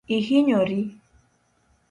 Ihinyori?